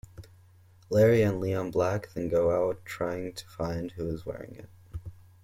Larry and Leon Black then go out trying to find who is wearing it.